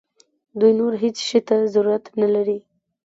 دوی نور هیڅ شي ته ضرورت نه لري.